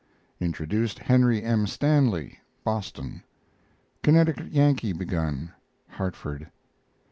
Introduced Henry M. Stanley (Boston). CONNECTICUT YANKEE begun (Hartford).